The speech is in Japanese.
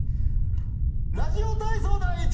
ラジオ体操第一